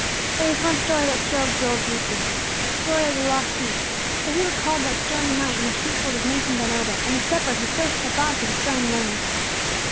There was one story that thrilled Joel deeply, the story of the lost sheep. For he recalled that stormy night in the sheepfold of Nathan ben Obed, and the shepherd who searched till dawn for the straying lamb.